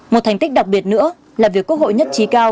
một thành tích đặc biệt nữa là việc quốc hội nhất trí cao